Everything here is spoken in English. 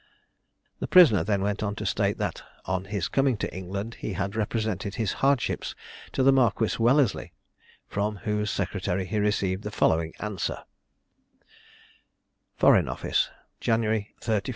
The prisoner then went on to state that on his coming to England he had represented his hardships to the Marquis Wellesley, from whose secretary he received the following answer: "Foreign Office, January 31, 1810.